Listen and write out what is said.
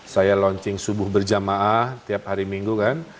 saya launching subuh berjamaah tiap hari minggu kan